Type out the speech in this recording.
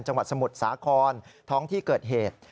จังหวัดสมุทรสาครท้องที่เกิดเหตุ